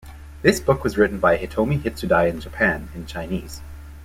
This book was written by Hitomi Hitsudai in Japan, in Chinese.